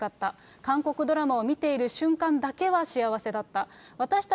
韓国ドラマを見ている瞬間だけは、幸せだった。